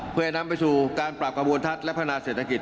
เพื่อให้นำไปสู่การปรับกระบวนทัศน์และพนาเศรษฐกิจ